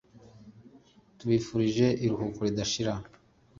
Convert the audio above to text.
tubifurije iruhuko ridashira